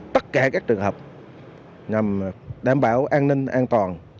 tất cả các trường hợp nhằm đảm bảo an ninh an toàn